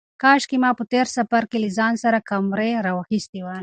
کاشکې ما په تېر سفر کې له ځان سره کمرې راخیستې وای.